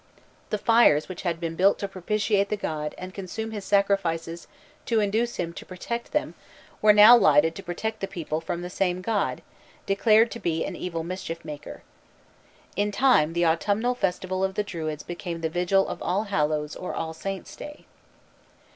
The fires which had been built to propitiate the god and consume his sacrifices to induce him to protect them were now lighted to protect the people from the same god, declared to be an evil mischief maker. In time the autumn festival of the Druids became the vigil of All Hallows or All Saints' Day.